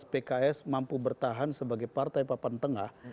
pks mampu bertahan sebagai partai papan tengah